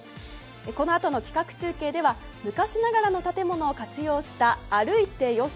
このあとの企画中継では昔ながらの建物を活用した歩いてよし！